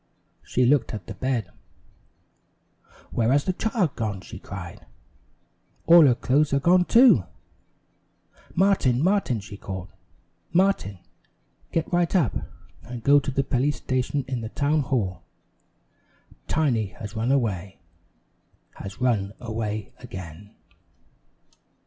She looked at the bed. "Where has the child gone?" she cried. "All her clothes are gone, too!" "Martin! Martin!" she called. "Martin, get right up, and go to the police station in the town hall. Tiny has run away has run away again!"